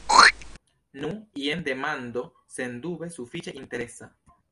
Nu, jen demando sendube sufiĉe interesa.